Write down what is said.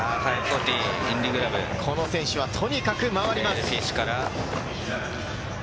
この選手はとにかく回ります。